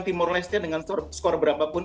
timur leste dengan skor berapapun